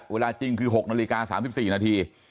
เวลาจริงคือ๖นาฬิกา๓๔นาที